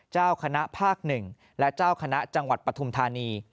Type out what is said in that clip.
เจ้าคณะภาค๑และเจ้าคณะจังหวัดปฐุมธานี